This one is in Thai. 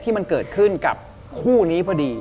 ที่มันเกิดขึ้นกับคู่นี้พอดี